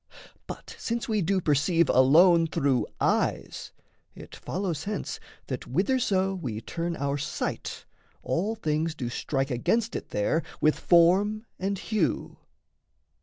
But since we do perceive alone through eyes, It follows hence that whitherso we turn Our sight, all things do strike against it there With form and hue.